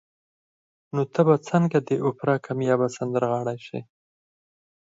نو ته به څنګه د اوپرا کاميابه سندرغاړې شې